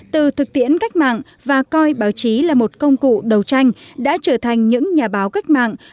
từ thực tiễn cách mạng và coi báo chí là một công cụ đầu tranh đã trở thành những nhà báo cách mạng